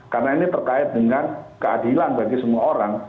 karena ini terkait dengan keadilan bagi semua orang